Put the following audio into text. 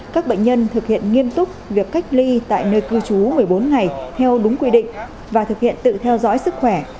các bệnh nhân thực hiện nghiêm túc việc cách ly tại nơi cư trú một mươi bốn ngày theo đúng quy định và thực hiện tự theo dõi sức khỏe